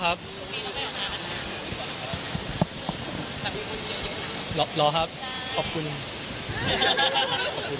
ใช่ครับวันถ่ายไปสุดท้าย